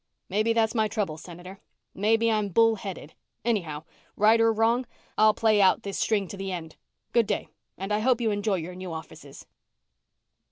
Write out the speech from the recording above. "Maybe that's my trouble, Senator. Maybe I'm bull headed. Anyhow, right or wrong, I'll play out this string to the end. Good day and I hope you enjoy your new offices."